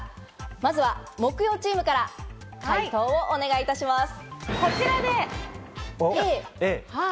まずは木曜チームから解答をお願いします。